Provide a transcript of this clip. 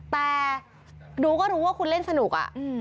แต่ดูก็รู้ว่าคุณเล่นสนุกอ่ะ